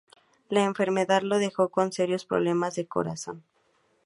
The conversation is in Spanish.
La enfermedad lo dejó con serios problemas de corazón.